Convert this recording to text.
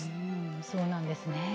そうなんですね。